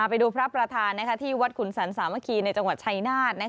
ไปดูพระประธานที่วัดขุนศรรษะเมื่อกี้ในจังหวัดชัยนาธ